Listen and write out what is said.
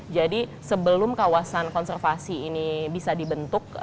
jadi sebelum kawasan konservasi ini bisa dibentuk